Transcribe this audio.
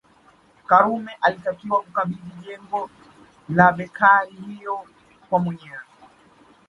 Karume alitakiwa akabidhi jengo la bekari hiyo kwa mwenyewe